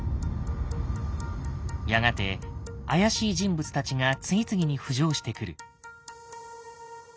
やがて怪しい人物たちが次々に浮上してくる。